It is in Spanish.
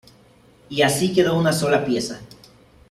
Y así quedó una sola pieza.